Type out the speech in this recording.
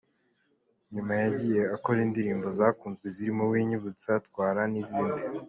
Nyuma yagiye akora indirimbo zakunzwe zirimo ‘Winyibutsa’, ‘Twala’ n’izindi.